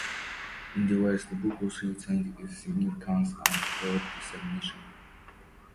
In the West, the book also retained its significance and broad dissemination.